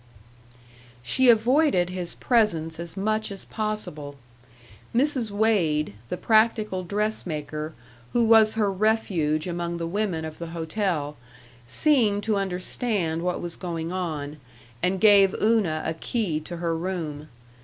She avoided his presence as much as possible. Mrs. Wade, the practical dressmaker, who was her refuge among the women of the hotel, seemed to understand what was going on, and gave Una a key to her room.